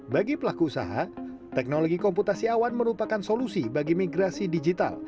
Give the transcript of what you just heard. bagi pelaku usaha teknologi komputasi awan merupakan solusi bagi migrasi digital